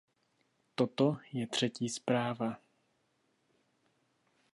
Toto je třetí zpráva.